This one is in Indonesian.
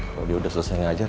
kalau dia udah selesai ngajar